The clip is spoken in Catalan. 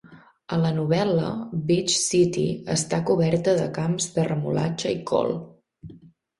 A la novel·la, Beach City està coberta de camps de remolatxa i col.